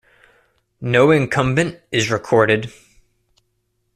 No incumbent is recorded.